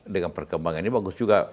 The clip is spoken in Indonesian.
dengan perkembangan ini bagus juga